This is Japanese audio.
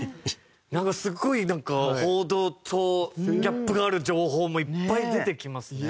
すごいなんか報道とギャップがある情報もいっぱい出てきますね。